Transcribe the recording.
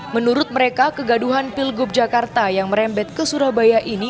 menurut mereka kegaduhan pilgub jakarta yang merembet ke surabaya ini